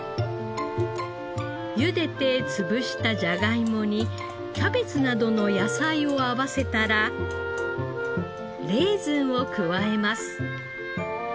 ゆでて潰したじゃがいもにキャベツなどの野菜を合わせたらレーズンを加えます。